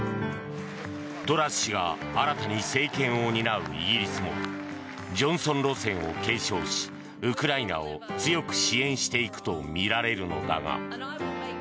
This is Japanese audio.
トラス氏が新たに政権を担うイギリスもジョンソン路線を継承しウクライナを強く支援していくとみられるのだが。